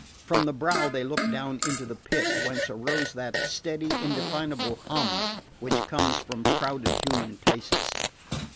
From the brow they looked down into the Pit, whence arose that steady, indefinable hum which comes from crowded human places.